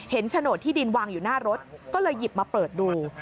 โฉนดที่ดินวางอยู่หน้ารถก็เลยหยิบมาเปิดดู